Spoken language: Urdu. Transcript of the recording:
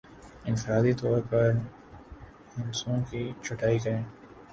انفرادی طور پر ہندسوں کی چھٹائی کریں